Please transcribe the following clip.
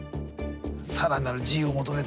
更なる自由を求めて。